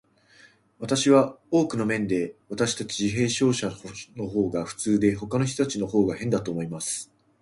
私は、多くの面で、私たち自閉症者のほうが普通で、ほかの人たちのほうが変だと思います。